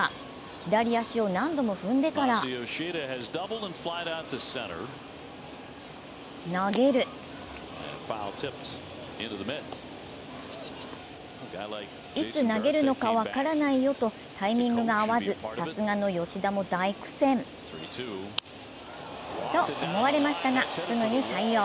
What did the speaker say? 左足を何度も踏んでから投げるいつ投げるのか分からないよとタイミングが合わずさすがの吉田も大苦戦と思われましたがすぐに対応。